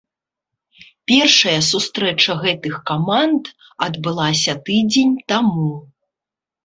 Першая сустрэча гэтых каманд адбылася тыдзень таму.